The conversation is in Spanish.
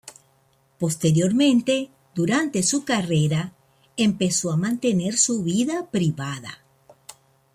Posteriormente, durante su carrera, empezó a mantener su vida privada.